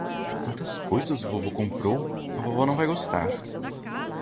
Quantas coisas o vovô comprou! A vovô não vai gostar.